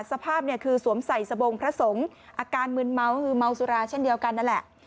สภาพเนี่ยคือสวมใส่สบงพระสงฆ์อาการมืนเมาคือเมาสุราเช่นเดียวกันนั่นแหละ